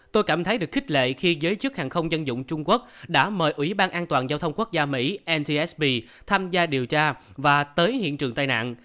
tôi cảm thấy được khích lệ khi giới chức hàng không dân dụng trung quốc đã mời ủy ban an toàn giao thông quốc gia mỹ ntsb tham gia điều tra và tới hiện trường tai nạn